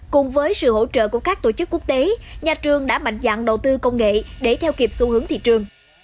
cùng với sự hỗ trợ của các tổ chức quốc tế nhà trường đã mạnh dạng đầu tư công nghệ để theo kịp xu hướng thị trường